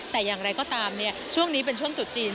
แต่อย่างไรก็ตามช่วงนี้เป็นช่วงจุดจีน